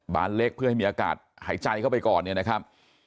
เล็กเพื่อให้มีอากาศหายใจเข้าไปก่อนเนี่ยนะครับ